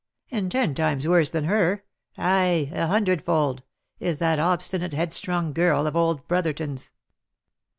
And ten times worse than her, — ay, a hundred fold, is that obstinate headstrong girl of old Brotherton's.